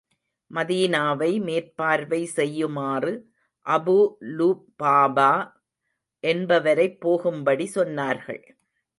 மதீனாவை மேற்பார்வை செய்யுமாறு, அபூ லுபாபா என்பவரைப் போகும்படி சொன்னார்கள்.